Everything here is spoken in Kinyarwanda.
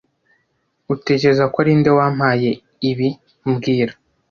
Utekereza ko ari nde wampaye ibi mbwira